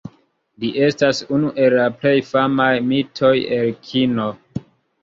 Li estas unu el la plej famaj mitoj el kino.